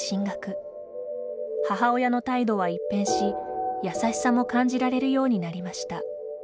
母親の態度は一変し、優しさも感じられるようになりました。